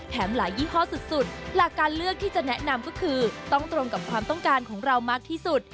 หลายยี่ห้อสุดหลักการเลือกที่จะแนะนำก็คือต้องตรงกับความต้องการของเรามากที่สุด